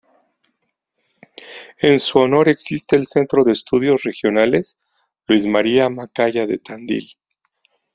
En su honor existe el Centro de Estudios Regionales Luis María Macaya de Tandil.